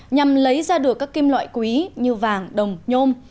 nhằm lấy ra được các kim loại quý như vàng đồng nhôm